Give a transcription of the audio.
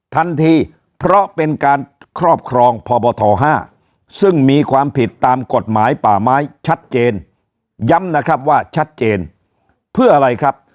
ทันทีเพราะเป็นการครอบครองพบท๕ซึ่งมีความผิดตามกฎหมายป่าไม้ชัดเจนย้ำนะครับว่าชัดเจนเพื่ออะไรครับ